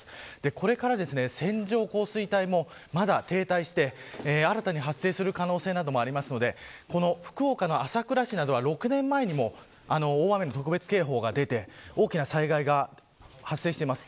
これから、線状降水帯もまだ停滞して新たに発生する可能性もありますので福岡の朝倉市などは６年前にも大雨特別警報が出て大きな災害が発生しています。